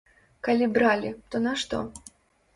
Калі бралі, то на што?